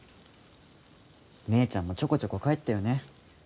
姉ちゃんもちょこちょこ帰ってよね。